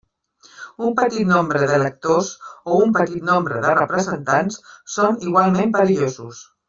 Un petit nombre d'electors, o un petit nombre de representats, són igualment perillosos.